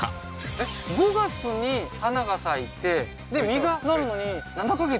えっ５月に花が咲いて実がなるのに７か月？